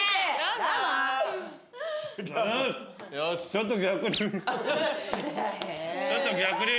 ちょっと逆流。